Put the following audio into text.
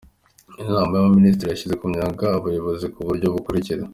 Inama y’Abaminisitiri yashyize mu myanya abayobozi ku buryo bukurikira:.